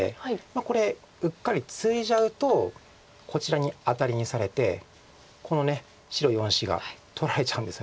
これうっかりツイじゃうとこちらにアタリにされてこの白４子が取られちゃうんです。